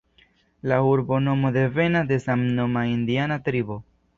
La urbonomo devenas de samnoma indiana tribo.